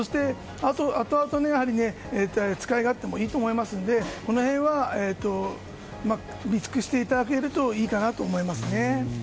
あとあと使い勝手もいいと思いますのでこの辺は備蓄していただけるといいかなと思いますね。